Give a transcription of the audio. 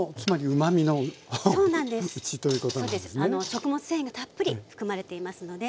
食物繊維がたっぷり含まれていますので。